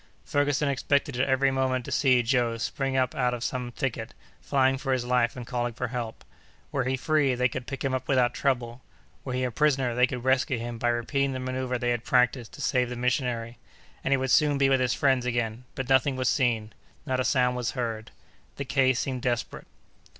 Ferguson expected at every moment to see Joe spring up out of some thicket, flying for his life, and calling for help. Were he free, they could pick him up without trouble; were he a prisoner, they could rescue him by repeating the manœuvre they had practised to save the missionary, and he would soon be with his friends again; but nothing was seen, not a sound was heard. The case seemed desperate.